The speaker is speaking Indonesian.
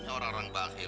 mereka kayak instan tuh